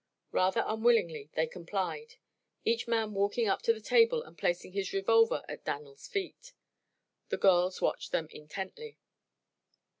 Rather unwillingly they complied, each man walking up to the table and placing his revolver at Dan'l's feet. The girls watched them intently.